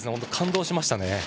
感動しましたね。